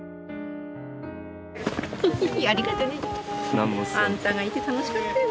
何もっすよ。あんたがいて楽しかったよ